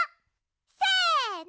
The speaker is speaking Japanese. せの。